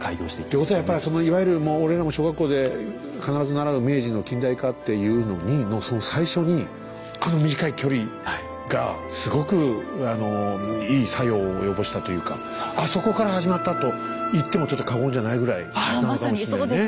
ということはやっぱりそのいわゆる俺らも小学校で必ず習う明治の近代化っていうのにのその最初にあの短い距離がすごくいい作用を及ぼしたというかあそこから始まったと言ってもちょっと過言じゃないぐらいなのかもしれないね。